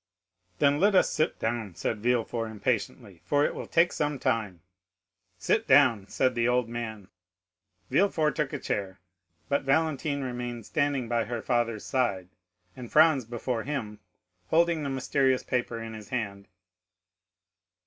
"Then let us sit down," said Villefort impatiently, "for it will take some time." "Sit down," said the old man. Villefort took a chair, but Valentine remained standing by her father's side, and Franz before him, holding the mysterious paper in his hand.